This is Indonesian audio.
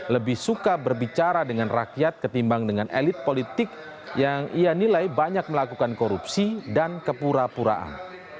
lebih suka berbicara dengan rakyat ketimbang dengan elit politik yang ia nilai banyak melakukan korupsi dan kepura puraan